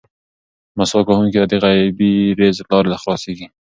مسواک وهونکي ته د غیبي رزق لارې خلاصېږي.